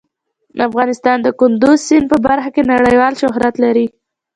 افغانستان د کندز سیند په برخه کې نړیوال شهرت لري.